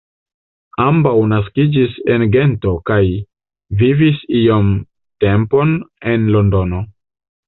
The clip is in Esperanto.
Ambaŭ naskiĝis en Gento kaj vivis iom tempon en Londono.